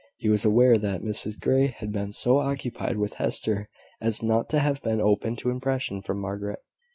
He was aware that Mrs Grey had been so occupied with Hester as not to have been open to impression from Margaret.